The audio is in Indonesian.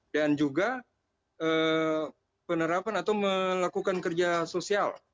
juga penerapan atau melakukan kerja sosial